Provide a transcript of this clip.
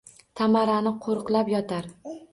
Tamarani qo’riqlab yotar.